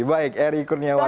baik eri kurniawati